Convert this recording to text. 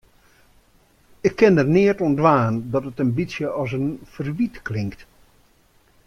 Ik kin der neat oan dwaan dat it in bytsje as in ferwyt klinkt.